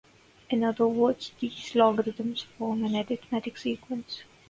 In other words, these logarithms form an arithmetic sequence.